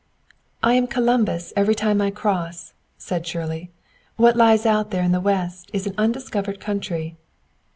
"I am Columbus every time I cross," said Shirley. "What lies out there in the west is an undiscovered country."